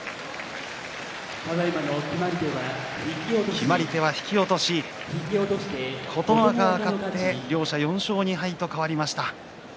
決まり手は引き落とし琴ノ若が勝って両者、４勝２敗と変わりました。